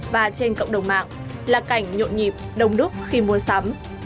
và trên cộng đồng mạng là cảnh nhộn nhịp đông đúc khi mua sắm